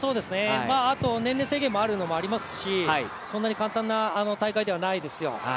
あと年齢制限もあるのもありますしそんなに簡単な大会ではないですよ。